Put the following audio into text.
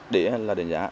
để là đánh giá